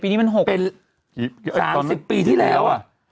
๒๕๓๗ปีนี้มัน๖เป็น๓๐ปีที่แล้ว